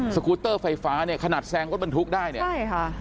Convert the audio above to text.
กูเตอร์ไฟฟ้าเนี่ยขนาดแซงรถบรรทุกได้เนี่ยใช่ค่ะ